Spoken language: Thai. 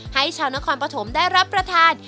ให้ชาวนครปฐมได้รับประทาน